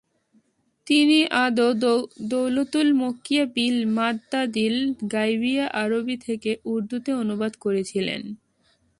তিনি আদ দৌলতুল মক্কিয়া বিল মাদ'দাতিল গাইবিয়া আরবী থেকে উর্দুতে অনুবাদ করেছিলেন।